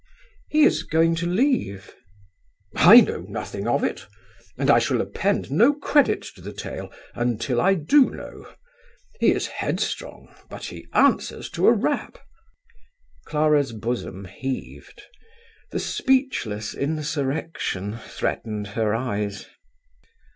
"He is going to leave." "I know nothing of it, and I shall append no credit to the tale until I do know. He is headstrong, but he answers to a rap." Clara's bosom heaved. The speechless insurrection threatened her eyes.